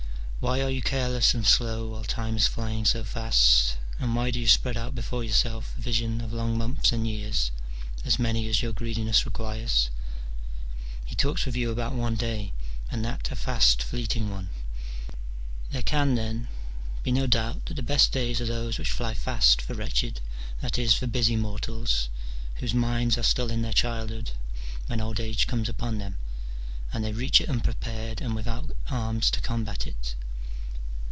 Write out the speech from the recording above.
Why are you careless and slow while time is flying so fast, and why do you spread out before yourself a vision of long months and years, as many as your greediness requires ? he talks with you about one day, and that a fast fleeting one. There can, then, be no doubt that the best days are those which fly first for wretched, that is, for busy mortals, whose minds are still in their childhood when old age comes upon them, and they reach it unprepared and without arms to combat it.